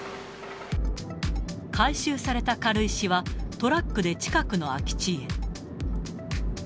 回収された軽石は、トラックで近くの空き地へ。